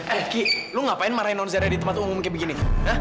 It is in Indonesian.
eh rizky lo ngapain marahin nonzara di tempat umum kayak begini